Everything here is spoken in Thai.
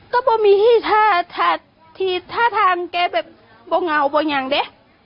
ก็ไม่มีที่ทางแกไปงัวเน่ะ